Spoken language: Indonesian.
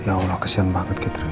ya allah kesian banget katerina